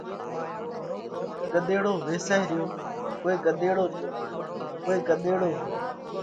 ڳۮيڙو ويسائه ريو ڪوئي ڳۮيڙو ليو، ڪوئي ڳۮيڙو ليو۔